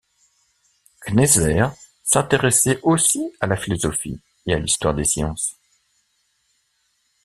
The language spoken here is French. Kneser s'intéressait aussi à la philosophie et à l'histoire des sciences.